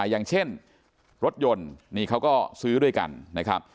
อย่างเช่นรถยนต์นี่เขาก็ซื้อด้วยกันนะครับ